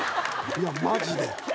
いやマジで。